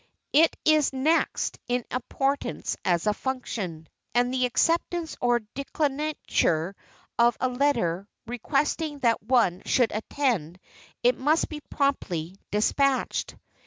It is next in importance as a function, and the acceptance or declinature of a letter requesting that one should attend it must be promptly despatched.